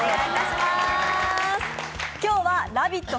今日は「ラヴィット！」